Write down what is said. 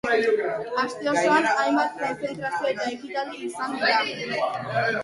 Aste osoan hainbat kontzentrazio eta ekitaldi izan dira.